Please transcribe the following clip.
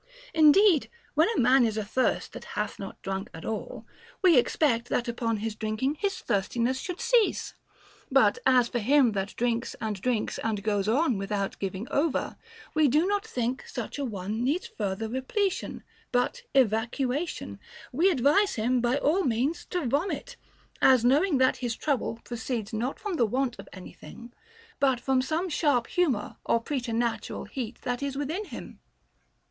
Indeed, when a man is athirst that hath not drunk at all, we expect that upon his drinking his thirstiness should cease ; but as for him that drinks and drinks and so goes on without giving over, we do not think such a one needs further repletion, but evacuation ; and we advise him by all means to vomit, as knowing that his trouble pro ceeds not from the want of any thing, but from some sharp humor or preternatural heat that is within him.